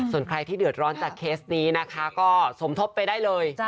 ส่วนใครที่เดือดร้อนจากเคสนี้นะคะก็สมทบไปได้เลย